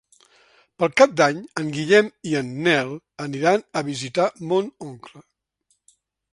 Per Cap d'Any en Guillem i en Nel aniran a visitar mon oncle.